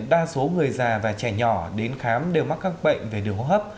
đa số người già và trẻ nhỏ đến khám đều mắc các bệnh về đường hô hấp